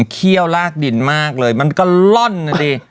เขี้ยวลากดินมากเลยมันก็ล่อนนะดิ